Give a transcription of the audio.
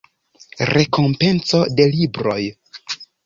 Rekompenco de Libroj.